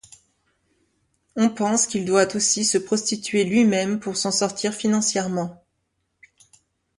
On pense qu'il doit aussi se prostituer lui-même pour s'en sortir financièrement.